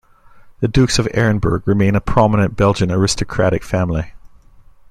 The dukes of Arenberg remain a prominent Belgian aristocratic family.